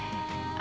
あ！